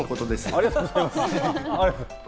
ありがとうございます。